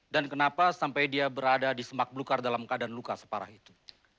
dan kenapa sampai dia berada di semak blukar dalam keadaan luka separah itu